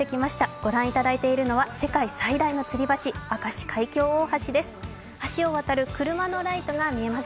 ご覧いただいているのは世界最大のつり橋、明石海峡大橋です。